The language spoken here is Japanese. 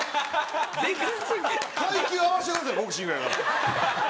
階級合わせてくださいボクシングやから。